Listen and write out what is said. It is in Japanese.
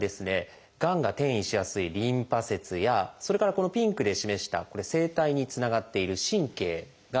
がんが転移しやすいリンパ節やそれからこのピンクで示した声帯につながっている神経があります。